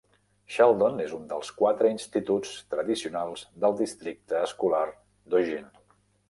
Sheldon és un dels quatre instituts tradicionals del districte escolar d'Eugene.